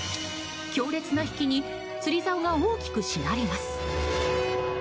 強烈な引きに釣りざおが大きくしなります。